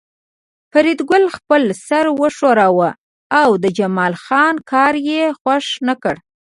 فریدګل خپل سر وښوراوه او د جمال خان کار یې خوښ نکړ